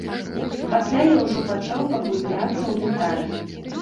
Пасля я ўжо пачаў паглыбляцца ў дэталі.